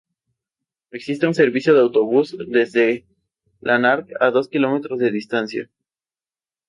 Existe un servicio de autobús desde Lanark, a dos kilómetros de distancia.